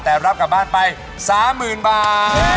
แต่รับกลับบ้านไป๓๐๐๐บาท